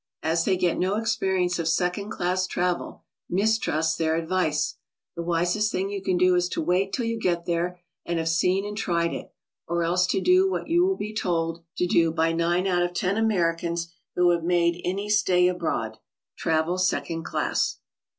As they get no experience of second class travel, mistrust their advice. The wisest thing you can do is to wait till you get there and have seen and tried it, or else to do what you will be told 56 GOING ABROAD? to do by nine out of ten Americans who have made any stay abroad, — travel second class.